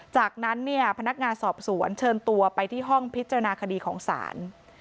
จากนั้นเนี่ยพนักงานสอบสวนเชิญตัวไปที่ห้องพิจารณาคดีของศาล